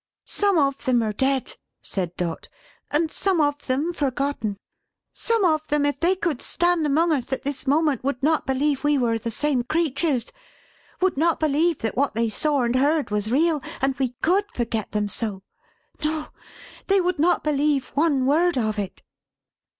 "Some of them are dead," said Dot; "and some of them forgotten. Some of them, if they could stand among us at this moment, would not believe we were the same creatures; would not believe that what they saw and heard was real, and we could forget them so. No! they would not believe one word of it!"